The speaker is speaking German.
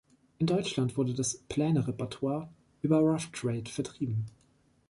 In Deutschland wurde das "pläne"-Repertoire über "rough trade" vertrieben.